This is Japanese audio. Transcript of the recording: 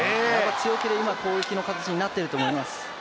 強気に攻撃の形になってると思います。